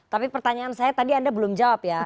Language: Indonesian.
tapi pertanyaan saya tadi anda belum jawab ya